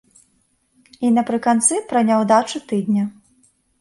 І напрыканцы пра няўдачу тыдня.